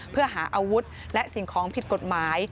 เพื่อหาอาวุธและสิ่งของผิดกฎหมาย